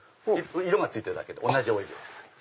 色が付いてるだけで同じオイルです。